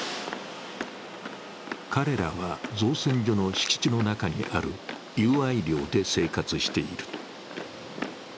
彼らは造船所の敷地の中にある友愛寮で生活している。